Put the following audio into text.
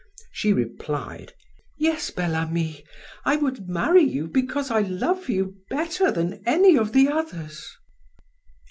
She replied: "Yes, Bel Ami, I would marry you because I love you better than any of the others."